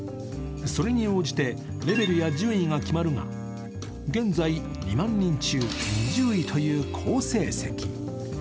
それに応じてレベルや順位が決まるが現在２万人中２０位という好成績。